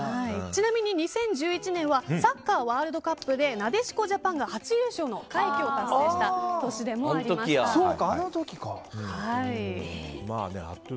ちなみに２０１１年はサッカーワールドカップでなでしこジャパンが初優勝の快挙を達成した年でもありました。